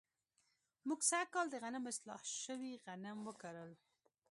موږ سږ کال د غنمو اصلاح شوی تخم وکرلو.